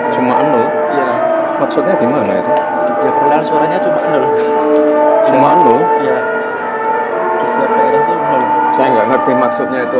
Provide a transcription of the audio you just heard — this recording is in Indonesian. cuma nul maksudnya gimana itu suaranya cuma nul cuma nul saya nggak ngerti maksudnya itu